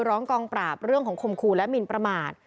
กองปราบเรื่องของคมคู่และหมินประมาท